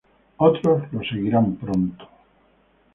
Otros lo seguirían pronto.